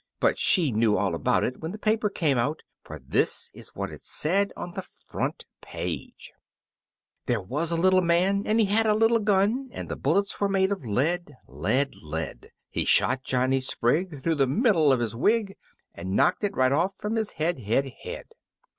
But she knew all about it when the paper came out, for this is what it said on the front page: There was a little man and he had a little gun, And the bullets were made of lead, lead, lead. He shot Johnny Sprigg through the middle of his wig, And knocked it right off from his head, head, head.